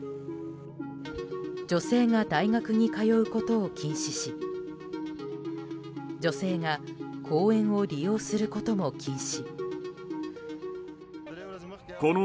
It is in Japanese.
女性が大学に通うことを禁止し女性が公園を利用することも禁止。